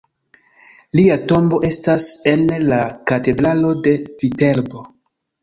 Lia tombo estas en la katedralo de Viterbo.